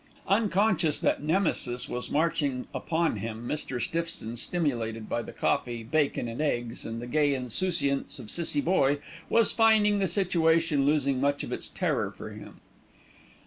Unconscious that Nemesis was marching upon him, Mr. Stiffson, stimulated by the coffee, bacon and eggs, and the gay insouciance of Cissie Boye, was finding the situation losing much of its terror for him.